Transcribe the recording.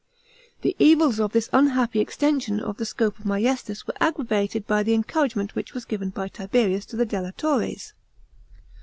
§ 10. The evils pf this unhappy extension of the scope of maiestas were aggravated by the encouragement which was given by Tiberius to the delatores.